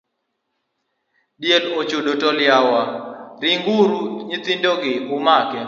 Diel ochodo tol yawa, ringuru nyithindogi umake.